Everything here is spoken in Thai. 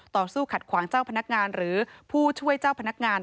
ต่อสู้ขัดขวางเจ้าพนักงานหรือผู้ช่วยเจ้าพนักงาน